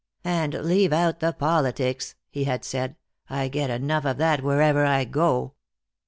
"And leave out the politics," he had said, "I get enough of that wherever I go."